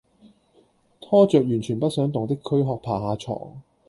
拖著完全不想動的驅殼爬下床